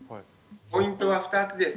ポイントは２つです。